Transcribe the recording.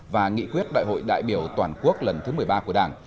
và nghị quyết đại hội đại biểu toàn quốc lần thứ một mươi ba của đảng